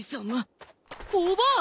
おばあ！